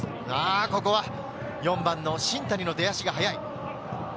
ここは４番の新谷の出足が速い。